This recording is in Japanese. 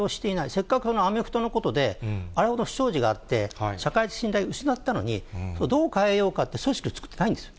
せっかく、アメフトのことで、あれほどの不祥事があって、社会的信頼を失ったのに、どう変えようかっていう組織を作ってないんです。